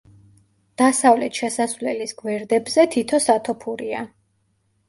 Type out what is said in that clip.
დასავლეთ შესასვლელის გვერდებზე თითო სათოფურია.